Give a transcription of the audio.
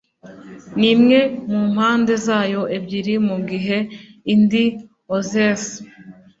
n'imwe mu mpande zayo ebyiri mu gihe indi oozes